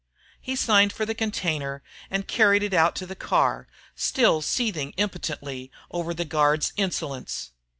He signed for the container, and carried it out to the car, still seething impotently over the guard's insolence.